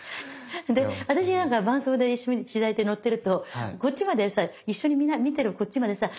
私なんかが伴走で取材で乗ってるとこっちまでさ一緒に見てるこっちまでさ